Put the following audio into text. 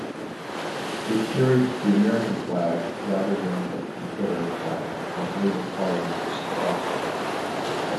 It carried the American flag rather than the Confederate flag that later followers adopted.